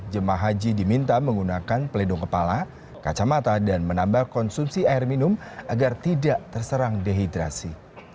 jemaah haji diminta menggunakan peledong kepala kacamata dan menambah konsumsi air minum agar tidak terserang dehidrasi